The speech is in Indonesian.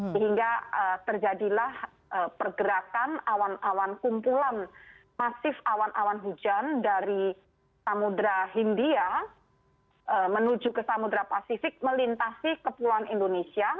sehingga terjadilah pergerakan awan awan kumpulan masif awan awan hujan dari samudera hindia menuju ke samudera pasifik melintasi kepulauan indonesia